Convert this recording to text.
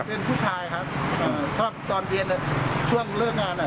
เป็นผู้ชายค่ะชอบตอนเกียรติช่วงเริ่มงานอ่ะ